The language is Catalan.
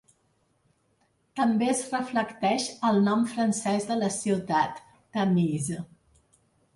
També es reflecteix al nom francès de la ciutat, Tamise.